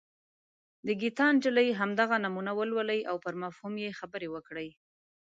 د ګیتا نجلي همدغه نمونه ولولئ او پر مفهوم یې خبرې وکړئ.